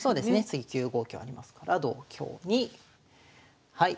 次９五香ありますから同香にはい